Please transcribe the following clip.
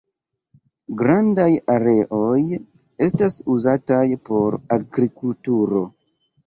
Grandaj areoj estas uzataj por agrikulturo.